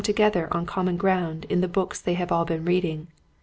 together on common ground in the books they have all been reading.